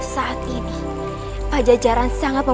saat ini pajajaran sangat membatasi ai haram